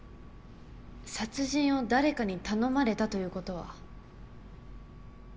殺人を誰かに頼まれたということは？